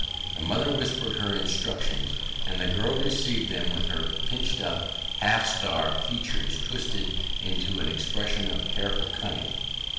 The mother whispered her instructions, and the girl received them with her pinched up, half starved features twisted into an expression of careful cunning.